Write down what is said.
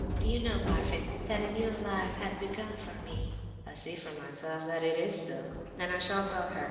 Did you know, Parfen, that a new life had begun for me?" "I see for myself that it is so—and I shall tell her.